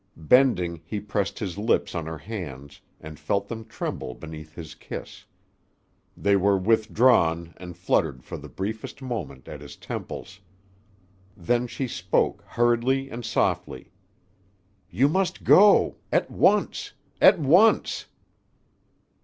Bending, he pressed his lips on her hands, and felt them tremble beneath his kiss. They were withdrawn, and fluttered for the briefest moment, at his temples. Then she spoke, hurriedly and softly. "You must go. At once! At once!"